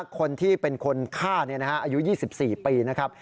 คนที่เป็นคนฆ่าเนี่ยนะฮะอายุ๒๔ปีนะครับ